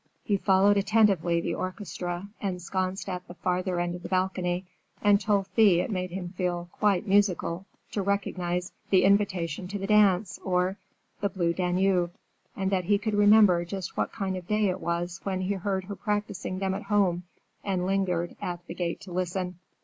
He followed attentively the orchestra, ensconced at the farther end of the balcony, and told Thea it made him feel "quite musical" to recognize "The Invitation to the Dance" or "The Blue Danube," and that he could remember just what kind of day it was when he heard her practicing them at home, and lingered at the gate to listen.